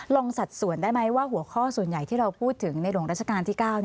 สัดส่วนได้ไหมว่าหัวข้อส่วนใหญ่ที่เราพูดถึงในหลวงราชการที่๙